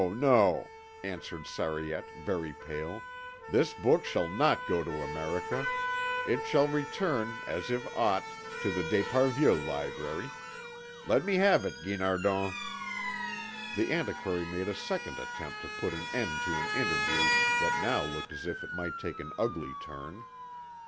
no!" answered Sariette, very pale, "this book shall not go to America. It shall return, as it ought, to the d'Esparvieu library. Let me have it, Guinardon." The antiquary made a second attempt to put an end to an interview that now looked as if it might take an ugly turn.